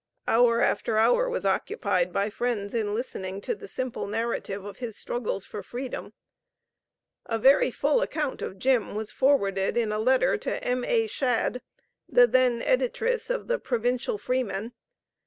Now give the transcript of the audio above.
Hour after hour was occupied by friends in listening to the simple narrative of his struggles for freedom. A very full account of "Jim," was forwarded in a letter to M.A. Shadd, the then Editress of the "Provincial Freeman."